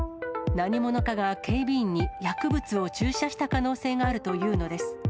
何者かが警備員に薬物を注射した可能性があるというのです。